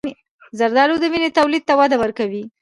زردآلو د وینې تولید ته وده ورکوي.